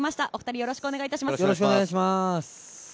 よろしくお願いします。